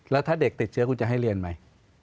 แล้วถ้าเด็กติดเชื้อคุณจะให้เรียนไหม